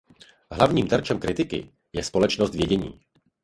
Hlavním terčem kritiky je společnost vědění.